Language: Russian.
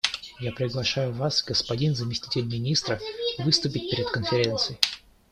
Я приглашаю Вас, господин заместитель Министра, выступить перед Конференцией.